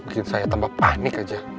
gitu saya tambah panik aja